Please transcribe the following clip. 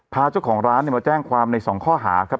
พาเจ้าของร้านมาแจ้งความในสองข้อหาครับ